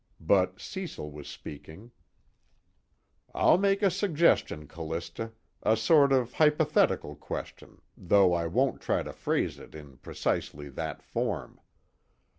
But Cecil was speaking. "I'll make a suggestion, Callista a sort of hypothetical question, though I won't try to phrase it in precisely that form.